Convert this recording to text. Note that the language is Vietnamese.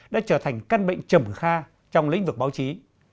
đã trở thành căn bệnh trầm kha trong lĩnh vực báo chí